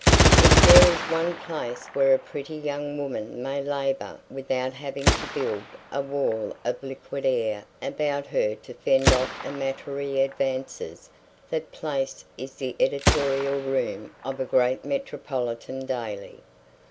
If there is one place where a pretty young woman may labour without having to build a wall of liquid air about her to fend off amatory advances that place is the editorial room of a great metropolitan daily.